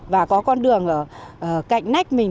và có con đường ở cạnh nách mình